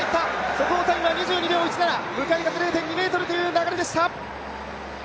速報タイムは２２秒１７、向かい風０．２メートルという流れでした。